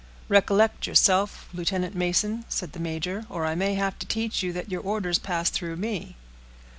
"Recollect yourself, Lieutenant Mason," said the major, "or I may have to teach you that your orders pass through me."